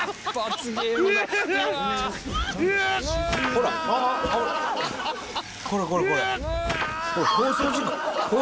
ほらこれこれこれ。